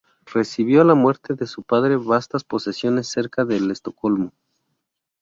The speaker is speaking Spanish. Recibió a la muerte de su padre vastas posesiones cerca de Estocolmo.